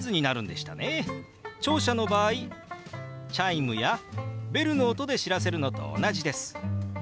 聴者の場合チャイムやベルの音で知らせるのと同じです。